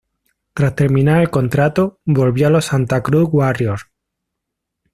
Tras terminar el contrato, volvió a los Santa Cruz Warriors.